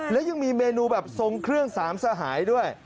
และยังมีเมนูแบบทรงเครื่องสามสหายด้วย